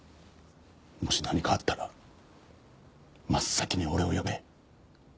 もし何かあったら真っ先に俺を呼べ。